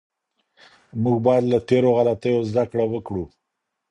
موږ باید له تېرو غلطیو زده کړه وکړو.